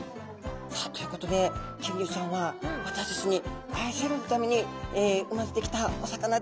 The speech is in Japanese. さあということで金魚ちゃんは私たちに愛されるために生まれてきたお魚です。